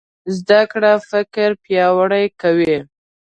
زده کړه فکر پیاوړی کوي.